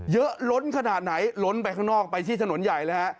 ล้นขนาดไหนล้นไปข้างนอกไปที่ถนนใหญ่เลยฮะ